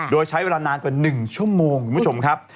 โดยใช้เวลานานกว่า๑ชั่วโมงคุณผู้ชมครับ